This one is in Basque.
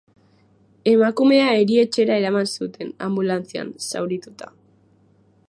Emakumea erietxera eraman zuten, anbulantzian, zaurituta.